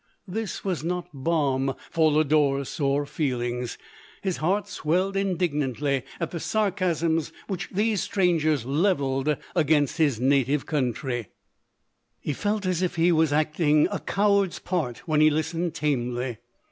This was not balm for Lodore's sore feelings. His heart swelled indignantly at the sarcasms which these strangers levelled against his native country ; he felt as if he was acting a coward's part while he listened tamely.